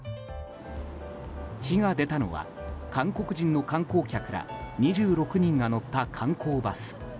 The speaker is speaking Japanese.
火が出たのは、韓国人の観光客ら２６人が乗った観光バス。